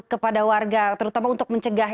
kepada warga terutama untuk mencegah